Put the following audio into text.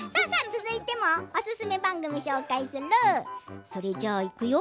続いてもおすすめ番組を紹介するよ。